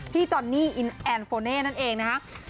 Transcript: จอนนี่อินแอนโฟเน่นั่นเองนะครับ